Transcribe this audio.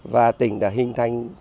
và tỉnh đã hình thành